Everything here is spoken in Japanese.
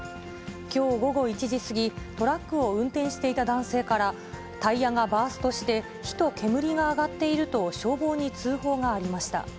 きょう午後１時過ぎ、トラックを運転していた男性から、タイヤがバーストして、火と煙が上がっていると消防に通報がありました。